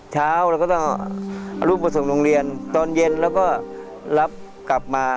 เช้าเราก็ต้องเอารูปมาส่งโรงเรียนตอนเย็นแล้วก็รับกลับมา